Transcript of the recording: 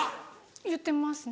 言ってますね。